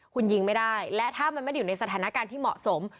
คุณยิงไม่ได้และถ้ามันไม่ได้อยู่ในสถานการณ์ที่เหมาะสม